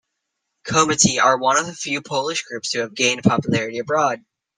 Komety are one of the few Polish groups to have gained popularity abroad.